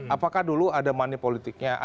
apakah dulu ada money politiknya